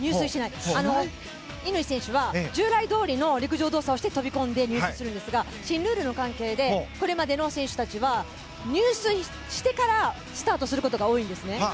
乾選手は従来どおりの陸上動作をして飛び込んで、入水するんですが新ルールの関係でこれまでの選手たちは入水してからスタートすることが多いんですね。